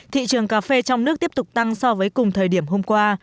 thị trường cà phê trong nước tiếp tục tăng so với cùng thời điểm hôm qua